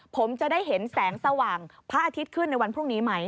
ผมจะได้เห็นแสงสว่างพระอาทิตย์ขึ้นในวันพรุ่งนี้ไหม